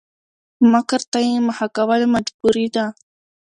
مکر ته يې مخه کول مجبوري ده؛